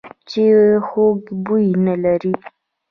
چې خوږ بوی نه لري .